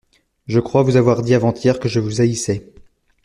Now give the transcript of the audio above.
Je crois vous avoir dit avant-hier que je vous haïssais.